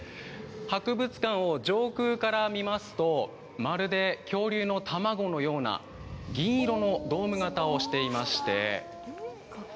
博物館を上空から見ますと、まるで恐竜の卵のような、銀色のドーム型をしていまして。